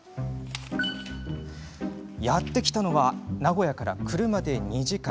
やって来たのは名古屋から車で２時間